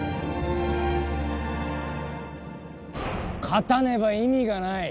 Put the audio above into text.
勝たねば意味がない。